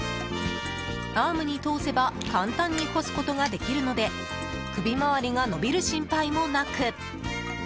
アームに通せば簡単に干すことができるので首回りが伸びる心配もなく。